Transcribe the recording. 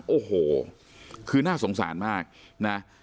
โอ้โหคือน่าสงสารมากนะ